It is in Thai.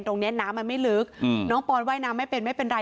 น้ำมันไม่ลึกน้องปอนว่ายน้ำไม่เป็นไม่เป็นไร